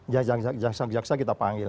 jaksa jaksa kita panggil